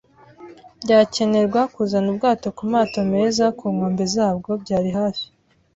Byakenerwa kuzana ubwato kumato meza ku nkombe zabwo. Byari hafi